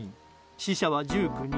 死者は１９人。